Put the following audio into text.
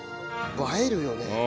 映えるよね。